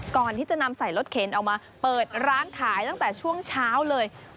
ก่อนที่จะนำใส่รถเข็นออกมาเปิดร้านขายตั้งแต่ช่วงเช้าเลย